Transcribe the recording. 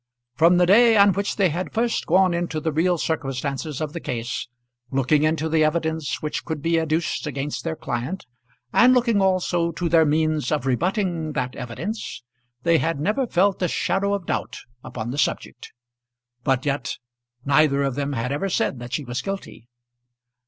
From the day on which they had first gone into the real circumstances of the case, looking into the evidence which could be adduced against their client, and looking also to their means of rebutting that evidence, they had never felt a shadow of doubt upon the subject. But yet neither of them had ever said that she was guilty.